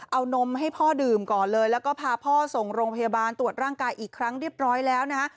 เอานมให้พ่อดื่มก่อนเลยแล้วก็พาพ่อส่งโรงพยาบาลตรวจร่างกายอีกครั้งเรียบร้อยแล้วนะฮะ